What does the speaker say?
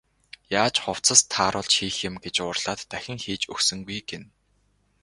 Яаж хувцас тааруулж хийх юм гэж уурлаад дахин хийж өгсөнгүй гэнэ.